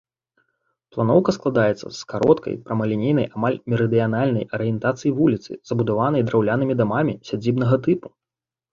Планоўка складаецца з кароткай прамалінейнай амаль мерыдыянальнай арыентацыі вуліцы, забудаванай драўлянымі дамамі сядзібнага тыпу.